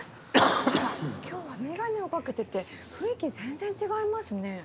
あら今日は眼鏡をかけてて雰囲気全然違いますね。